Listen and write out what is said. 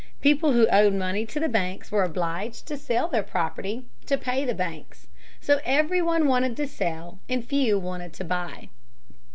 People who owed money to the banks were obliged to sell their property to pay the banks. So every one wanted to sell, and few wanted to buy.